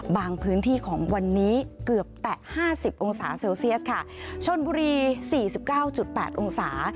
พื้นที่ของวันนี้เกือบแตะห้าสิบองศาเซลเซียสค่ะชนบุรีสี่สิบเก้าจุดแปดองศา